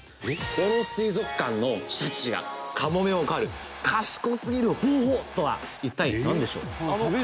「この水族館のシャチがカモメを狩る賢すぎる方法とは一体なんでしょう？」